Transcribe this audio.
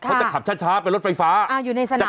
เขาจะขับช้าเป็นรถไฟฟ้าอยู่ในสนาม